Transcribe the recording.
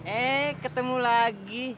eh ketemu lagi